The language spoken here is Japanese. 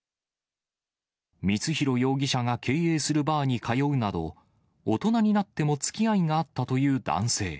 光弘容疑者が経営するバーに通うなど、大人になってもつきあいがあったという男性。